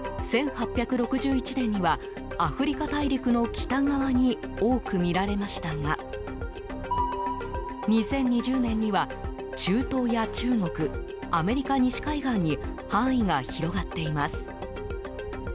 １８６１年には、アフリカ大陸の北側に多く見られましたが２０２０年には中東や中国、アメリカ西海岸に範囲が広がっています。